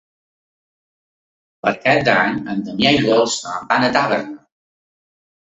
Per Cap d'Any na Damià i na Dolça van a Tàrbena.